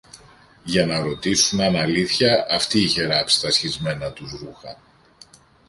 για να ρωτήσουν αν αλήθεια αυτή είχε ράψει τα σχισμένα τους ρούχα